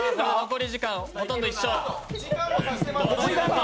残り時間、ほとんど一緒。